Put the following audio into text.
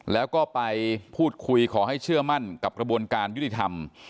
แล้วก็ไปพูดคุยขอให้เชื่อมั่นกับกระบวนการยุติธรรม